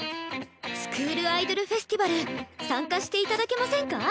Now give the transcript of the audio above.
スクールアイドルフェスティバル参加して頂けませんか？